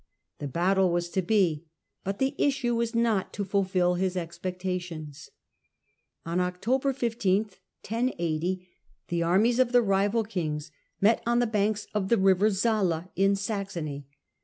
The battle was to be, but the issue was not to fulfil his expectation. On October 15, the armies of the rival kings met on the banks of the river Saale in Saxony.